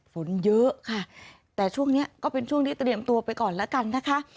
ฝนเยอะค่ะแต่ช่วงนี้ก็เป็นช่วงที่เตรียมตัวไปก่อนแล้วกันนะคะ